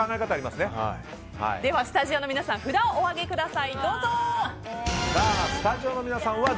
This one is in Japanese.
ではスタジオの皆さん札をお上げください。